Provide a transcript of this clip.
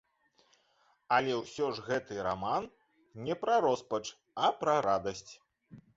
Але ўсё ж гэты раман не пра роспач, а пра радасць.